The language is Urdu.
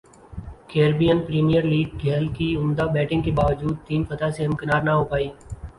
کیربئین پریمئیر لیگ گیل کی عمدہ بیٹنگ کے باوجود ٹیم فتح سے ہمکنار نہ ہو پائی